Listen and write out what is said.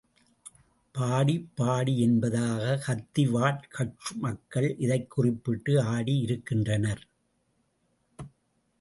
பாடி பாடி என்பதாக கத்திவாட், கட்சு மக்கள் இதை குறிப்பிட்டு ஆடியிருக்கின்றனர்.